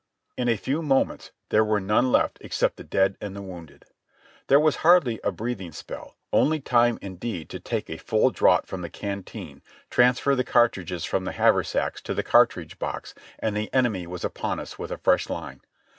In a few moments there were none left except the dead and wounded. There was hardly a breathing spell, only time indeed to take a full draught from the canteen, transfer the cartridges from the haversacks to the cartridge box, and the enemy was upon us with a fresh line.